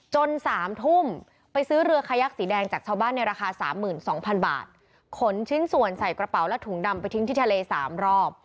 จนสามทุ่มไปซื้อเรือคยักสีแดงจากชาวบ้านในราคาสามหมื่นสองพันบาทขนชิ้นส่วนใส่กระเป๋าและถุงดำไปทิ้งที่ทะเลสามรอบ